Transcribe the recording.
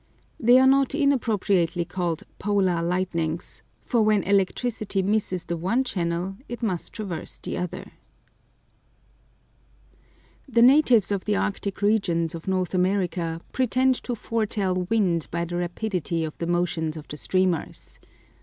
They are not inappropriately called "Polar lightnings," for when electricity misses the one channel it must traverse the other. The natives of the Arctic regions of North America pretend to foretell wind by the rapidity of the motions of the streamers.